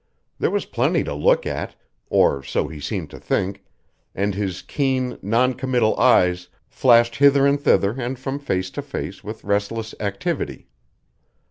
There was plenty to look at, or so he seemed to think, and his keen, noncommittal eyes flashed hither and thither and from face to face with restless activity.